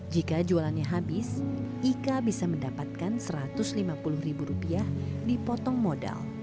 jika jualannya habis ika bisa mendapatkan rp satu ratus lima puluh ribu rupiah dipotong modal